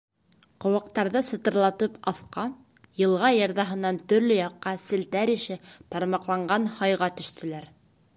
Ҡыуаҡтарҙы сытырлатып аҫҡа — йылға йырҙаһынан төрлө яҡҡа селтәр ише тармаҡланған һайға төштөләр.